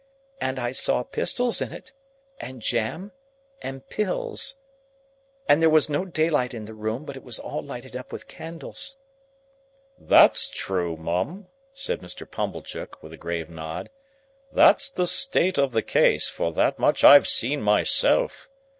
"And I saw pistols in it,—and jam,—and pills. And there was no daylight in the room, but it was all lighted up with candles." "That's true, Mum," said Mr. Pumblechook, with a grave nod. "That's the state of the case, for that much I've seen myself."